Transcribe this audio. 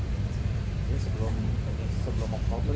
ini sebelum oktober sebelum tiga bulan ya